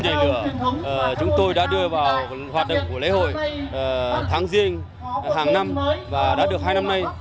nhảy lửa chúng tôi đã đưa vào hoạt động của lễ hội tháng riêng hàng năm và đã được hai năm nay